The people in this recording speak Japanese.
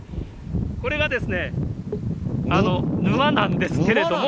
これが沼なんですけれども。